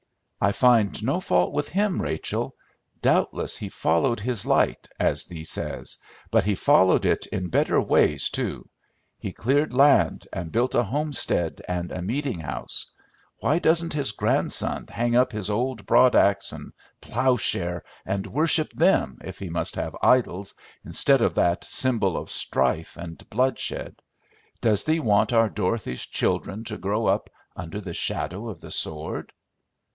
"I find no fault with him, Rachel. Doubtless he followed his light, as thee says, but he followed it in better ways too. He cleared land and built a homestead and a meeting house. Why doesn't his grandson hang up his old broadaxe and plowshare and worship them, if he must have idols, instead of that symbol of strife and bloodshed. Does thee want our Dorothy's children to grow up under the shadow of the sword?"